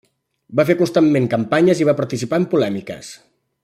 Va fer constantment campanyes i va participar en polèmiques.